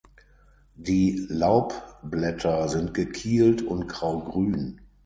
Die Laubblätter sind gekielt und graugrün.